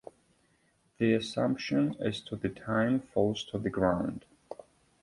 The assumption as to the time falls to the ground.